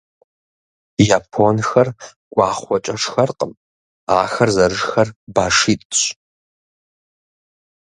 Японхэр гуахъуэкӏэ шхэркъым, ахэр зэрышхэр башитӏщ.